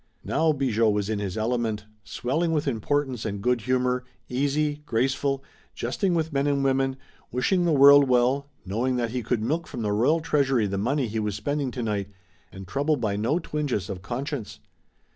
Now Bigot was in his element, swelling with importance and good humor, easy, graceful, jesting with men and women, wishing the world well, knowing that he could milk from the royal treasury the money he was spending tonight, and troubled by no twinges of conscience.